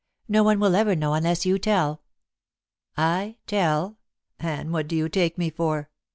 No one will ever know unless you tell." "I tell? Anne, what do you take me for?